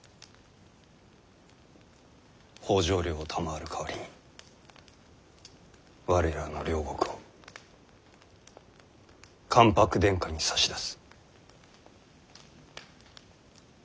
北条領を賜る代わりに我らの領国を関白殿下に差し出す。